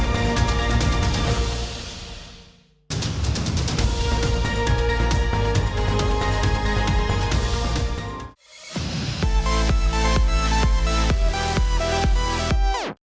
โปรดติดตามตอนต่อไป